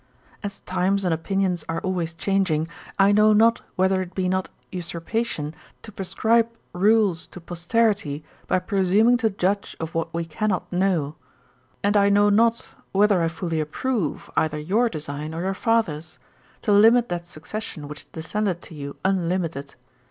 'As times and opinions are always changing, I know not whether it be not usurpation to prescribe rules to posterity, by presuming to judge of what we cannot know: and I know not whether I fully approve either your design or your father's, to limit that succession which descended to you unlimited.